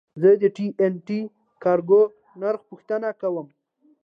زه د ټي این ټي کارګو نرخ پوښتنه کوم.